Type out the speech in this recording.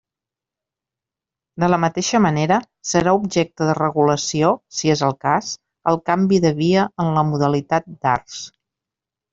De la mateixa manera, serà objecte de regulació, si és el cas, el canvi de via en la modalitat d'Arts.